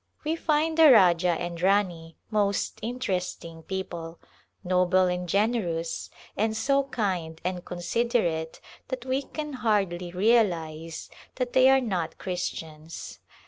We find the Rajah and Rani most interesting peo ple, noble and generous, and so kind and considerate that we can hardly realize that they are not Christians.